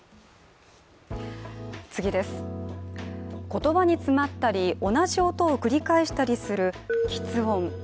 言葉に詰まったり、同じ音を繰り返したりするきつ音。